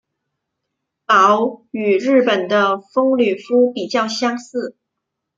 褓与日本的风吕敷比较相似。